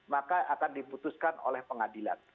maka akan diputuskan oleh pengadilan